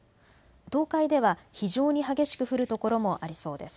東海では非常に激しく降る所もありそうです。